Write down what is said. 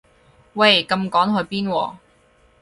喂咁趕去邊喎